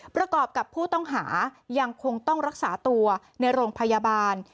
ประกอบกับผู้ต้องหายังคงต้องรักษาตัวในโรงพยาบาล